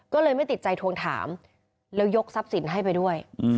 ก็เลยไม่ติดใจทวงถามแล้วยกทรัพย์สินให้ไปด้วย